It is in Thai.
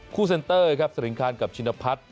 เซ็นเตอร์ครับสริงคารกับชินพัฒน์